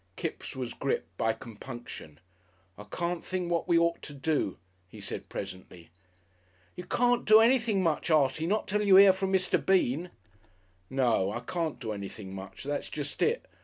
Kipps was gripped by compunction.... "I can't think what we ought to do," he said, presently. "You can't do anything much, Artie, not till you hear from Mr. Bean." "No; I can't do anything much. That's jest it.